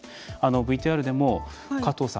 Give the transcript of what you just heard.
ＶＴＲも、加藤さん